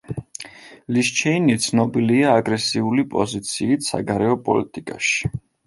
ლიზ ჩეინი ცნობილია აგრესიული პოზიციით საგარეო პოლიტიკაში.